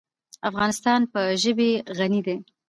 افغانستان په ژبې غني دی.